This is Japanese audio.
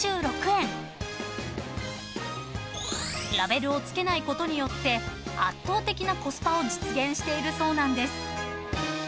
［ラベルを付けないことによって圧倒的なコスパを実現しているそうなんです］